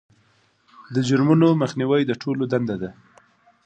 د جرمونو مخنیوی د ټولو دنده ده.